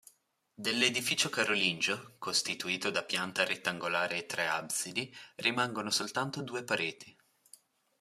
Dell'edificio carolingio costituito da pianta rettangolare e tre absidi rimangono soltanto due pareti.